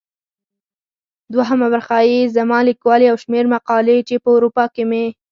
دوهمه برخه يې زما ليکوال يو شمېر مقالې چي په اروپا کې مي.